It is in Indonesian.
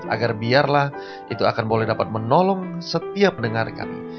agar biarlah itu akan boleh dapat menolong setiap mendengar kami